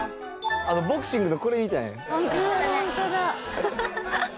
ボクシングのこれみたい。